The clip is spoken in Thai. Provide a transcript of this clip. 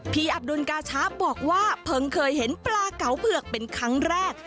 อับดุลกาชาบอกว่าเพิ่งเคยเห็นปลาเก๋าเผือกเป็นครั้งแรก